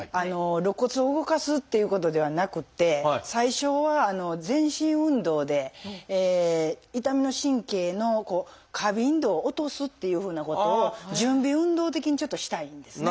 肋骨を動かすっていうことではなくて最初は全身運動で痛みの神経の過敏度を落とすっていうふうなことを準備運動的にちょっとしたいんですね。